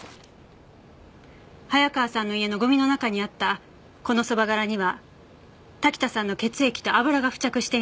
早川さんの家のゴミの中にあったこのそば殻には滝田さんの血液と油が付着していました。